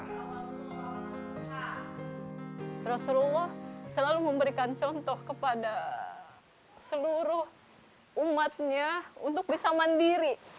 rasulullah selalu memberikan contoh kepada seluruh umatnya untuk bisa mandiri